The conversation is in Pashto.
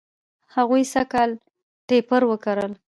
هغوی سږ کال ټیپر و کرل.